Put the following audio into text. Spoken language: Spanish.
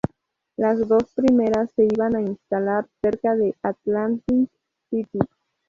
Las dos primeras se iban a instalar cerca de Atlantic City.